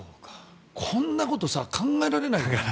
こんなこと考えられないよ。